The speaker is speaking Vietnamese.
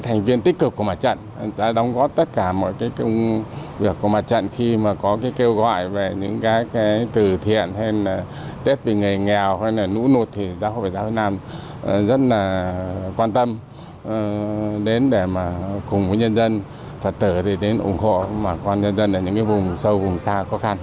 tương cực của mặt trận đã đóng góp tất cả mọi cái việc của mặt trận khi mà có cái kêu gọi về những cái tử thiện hay là tết về người nghèo hay là nũ nụt thì giáo hội phật giáo việt nam rất là quan tâm đến để mà cùng với nhân dân phật tử thì đến ủng hộ bà con nhân dân ở những cái vùng sâu vùng xa khó khăn